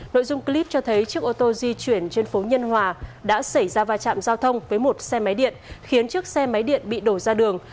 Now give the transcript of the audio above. nội dung clip cho thấy chiếc ô tô di chuyển trên phố nhân hòa đã xảy ra va chạm giao thông với một xe máy điện khiến chiếc xe máy điện bị đổ ra đường